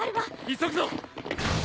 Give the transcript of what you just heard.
急ぐぞ！